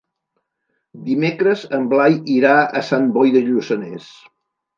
Dimecres en Blai irà a Sant Boi de Lluçanès.